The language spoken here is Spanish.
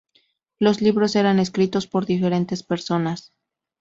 Los libros eran escritos por diferentes personas.